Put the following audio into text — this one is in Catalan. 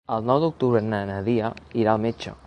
El nou d'octubre na Nàdia irà al metge.